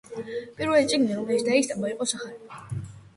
პირველი წიგნი, რომელიც დაისტამბა იყო „სახარება“.